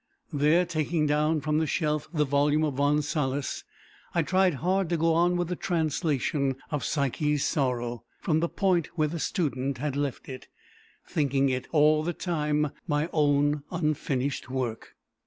There, taking down from the shelf the volume of Von Salis, I tried hard to go on with the translation of Pysche's Sorrow, from the point where the student had left it, thinking it, all the time, my own unfinished work.